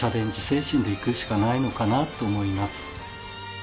精神でいくしかないのかなと思います。